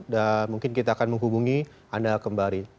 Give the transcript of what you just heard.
dan mungkin kita akan menghubungi anda kembali